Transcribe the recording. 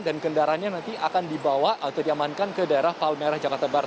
dan kendaranya nanti akan dibawa atau diamankan ke daerah palmera jakarta barat